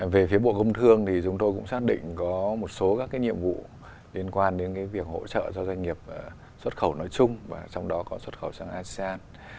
về phía bộ công thương thì chúng tôi cũng xác định có một số các nhiệm vụ liên quan đến việc hỗ trợ cho doanh nghiệp xuất khẩu nói chung và trong đó có xuất khẩu sang asean